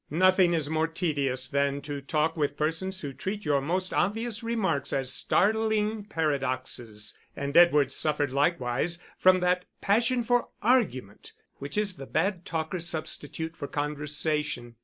Nothing is more tedious than to talk with persons who treat your most obvious remarks as startling paradoxes; and Edward suffered likewise from that passion for argument, which is the bad talker's substitute for conversation.